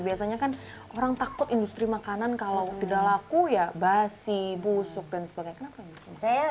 biasanya kan orang takut industri makanan kalau tidak laku ya basi busuk dan sebagainya kenapa